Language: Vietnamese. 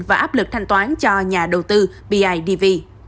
và áp lực thanh toán cho nhà đầu tư bidv